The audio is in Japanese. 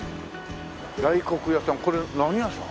大黒屋さんこれ何屋さん？